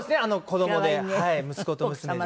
子どもで息子と娘で。